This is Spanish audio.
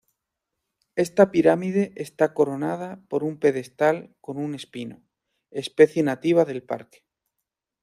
Esta pirámide está coronada por un pedestal con un espino, especie nativa del parque.